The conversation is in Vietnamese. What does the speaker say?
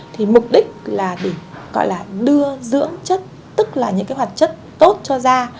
thì mục đích là để gọi là đưa dưỡng chất tức là những cái hoạt chất tốt cho da